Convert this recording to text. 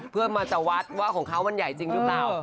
เพื่อมาจะวัดว่าของเขามันใหญ่จริงหรือเปล่า